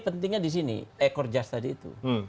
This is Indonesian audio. pentingnya di sini ekor jas tadi itu